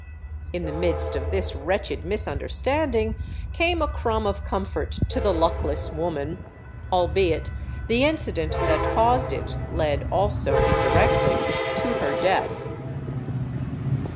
In the midst of this wretched misunderstanding came a crumb of comfort to the luckless woman al beit the incident that caused it led also, indirectly, to her death.